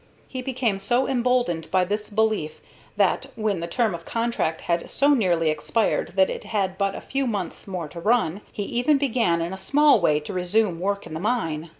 He became so emboldened by this belief that, when the term of contract had so nearly expired that it had but a few months more to run, he even began in a small way to resume work in the mine.